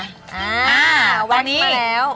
อ่าวัดมาแล้ว